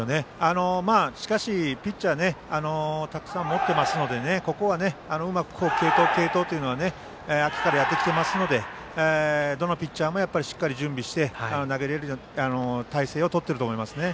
しかしピッチャーをたくさん持っていますのでうまく継投というのは秋からやってきていますのでどのピッチャーもしっかり準備して投げれる体勢をとっていると思います。